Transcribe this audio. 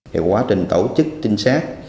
thì quá trình tổ chức trinh sát